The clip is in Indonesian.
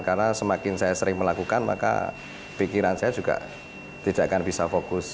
karena semakin saya sering melakukan maka pikiran saya juga tidak akan bisa fokus